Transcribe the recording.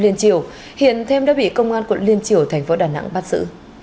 liên triều hiện thêm đã bị công an quận liên triều thành phố đà nẵng bắt giữ